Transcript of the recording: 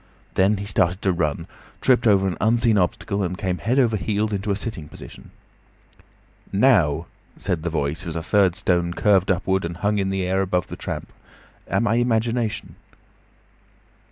Then he started to run, tripped over an unseen obstacle, and came head over heels into a sitting position. "Now," said the Voice, as a third stone curved upward and hung in the air above the tramp. "Am I imagination?"